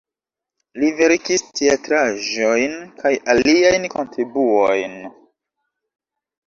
Li verkis teatraĵojn kaj aliajn kontribuojn.